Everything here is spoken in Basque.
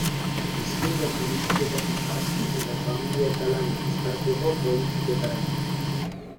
Hezkuntza politiketatik hasi eta familia eta lana uztartzeko politiketaraino.